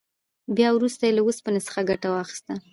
بیا وروسته یې له اوسپنې څخه ګټه واخیسته.